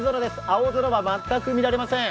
青空は全く見られません。